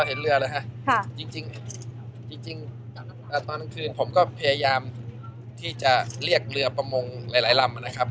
เห็นเรือแล้วฮะจริงตอนกลางคืนผมก็พยายามที่จะเรียกเรือประมงหลายลำนะครับ